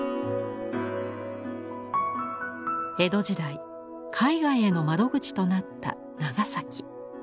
江戸時代海外への窓口となった長崎。